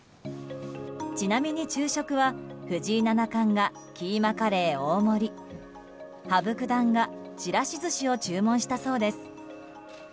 ちなみに昼食は、藤井七冠がキーマカレー大盛り羽生九段がちらし寿司を注文したそうです。